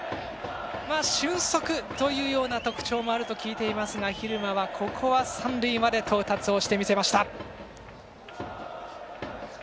俊足というような特徴もあると聞いていますが蛭間は、ここは三塁まで到達をしてみせました。